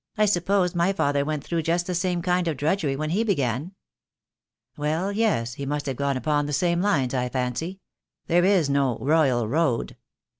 "I suppose my father went through just the same kind of drudgery when he began?" "Well, yes, he must have gone upon the same lines, I fancy. There is no royal road."